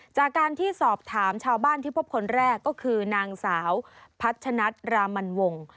จากการที่สอบถามชาวบ้านที่พบคนแรกก็คือนางสาวพัชนัดรามันวง